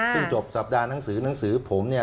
จบสัปดาห์หนังสือหนังสือผมเนี่ย